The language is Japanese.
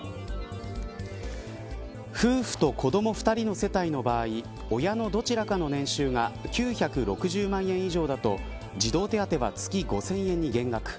夫婦と子ども２人の世帯の場合親のどちらかの年収が９６０万円以上だと児童手当は月５０００円に減額。